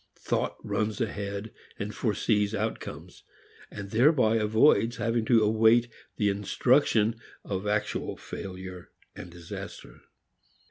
Thought runs ahead and foresees outcomes, and thereby avoids having to await the instruction of actual failure and disaster.